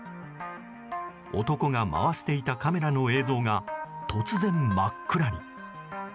男が回していたカメラの映像が突然、真っ暗に。